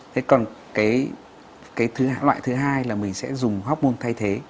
thế còn cái loại thứ hai là mình sẽ dùng hormone thay thế